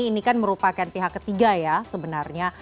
ini kan merupakan pihak ketiga ya sebenarnya